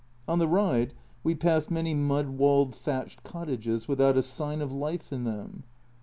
On the ride we passed many mud walled thatched cottages, without a sign of life in them.